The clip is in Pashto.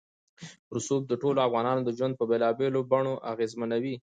رسوب د ټولو افغانانو ژوند په بېلابېلو بڼو اغېزمنوي.